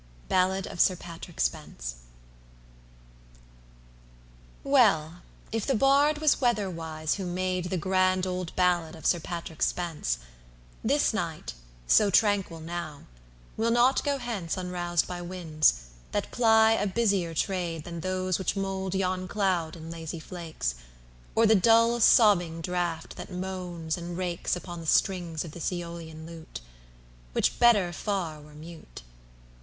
Ballad of Sir Patrick SpenceIWELL! If the Bard was weather wise, who madeThe grand old ballad of Sir Patrick Spence, This night, so tranquil now, will not go henceUnroused by winds, that ply a busier tradeThan those which mould yon cloud in lazy flakes, Or the dull sobbing draft, that moans and rakesUpon the strings of this Æolian lute, Which better far were mute.